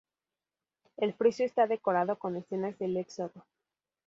El friso está decorado con escenas del Éxodo.